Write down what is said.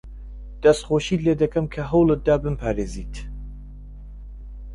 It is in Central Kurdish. دەستخۆشیت لێ دەکەم کە هەوڵت دا بمپارێزیت.